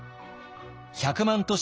１００万都市